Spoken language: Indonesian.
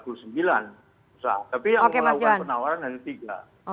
tapi yang melakukan penawaran hanya tiga